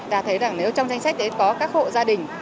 ta thấy rằng nếu trong danh sách đấy có các hộ gia đình